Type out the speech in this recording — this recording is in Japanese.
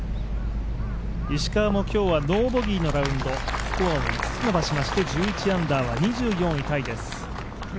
石川も今日はノーボギーのラウンド、スコアを５つ伸ばしまして１１アンダーは２４位タイです。